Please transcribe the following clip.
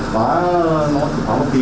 phá nó thì phá một tí thôi